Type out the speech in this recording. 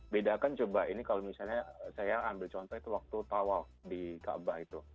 bedakan coba ini kalau misalnya saya ambil contoh itu waktu tawaf di kaabah itu